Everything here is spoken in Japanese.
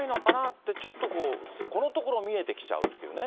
って、ちょっとこのところ見えてきちゃうっていうね。